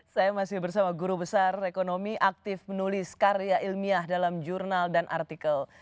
saya masih bersama guru besar ekonomi aktif menulis karya ilmiah dalam jurnal dan artikel